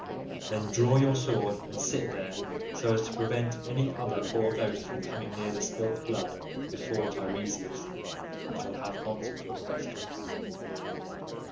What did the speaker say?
Then draw your sword and sit there, so as to prevent any other poor ghost from coming near the spilt blood before Teiresias shall have answered your questions.